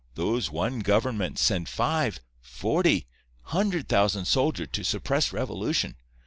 Those one government send five—forty—hundred thousand soldier to suppress revolution.